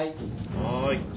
はい。